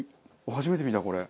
初めて見たこれ。